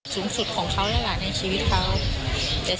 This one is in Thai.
ชีวิตหลังจากขาดลูกไปก็ต้องเข้มแข็ง